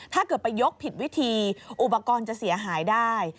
ถ้าเกิดไปยกผิดวิธีอุปกรณ์จะเสียหายได้